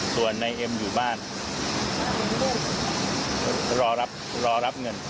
ส่วนนายเอ็มอยู่บ้านรอรับรอรับเงิน